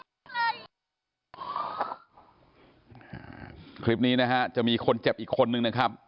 คลิปนี้นะฮะจะมีคนเจ็บอีกคนนึงนะครับ